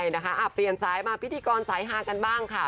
นะคะเปลี่ยนสายมาพิธีกรสายฮากันบ้างค่ะ